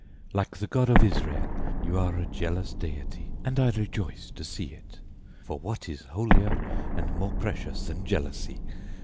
Like the God of Israel, you are a jealous deity, and I rejoice to see it. For what is holier and more precious than jealousy?